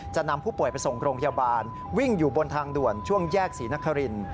นำผู้ป่วยไปส่งโรงพยาบาลวิ่งอยู่บนทางด่วนช่วงแยกศรีนคริน